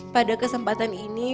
pada kesempatan ini